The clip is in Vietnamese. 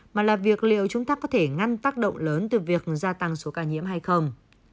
mà là việc liệu chúng ta có thể ngăn tác động lớn từ việc gia tăng số ca nhiễm hay không